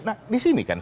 nah disini kan